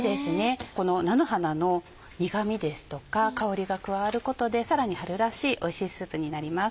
この菜の花の苦みですとか香りが加わることでさらに春らしいおいしいスープになります。